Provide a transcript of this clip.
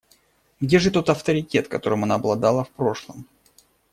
Где же тот авторитет, которым она обладала в прошлом?